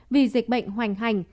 vì dịch bệnh hoành hành